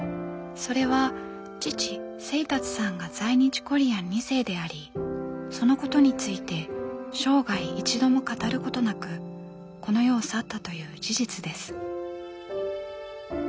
それは父清達さんが在日コリアン２世でありそのことについて生涯一度も語ることなくこの世を去ったという事実です。